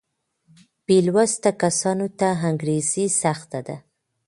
بې لوسته کسانو ته انګرېزي سخته ده.